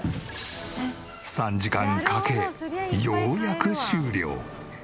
３時間かけようやく終了。